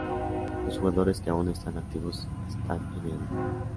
Los jugadores que aún están activos están en negrita.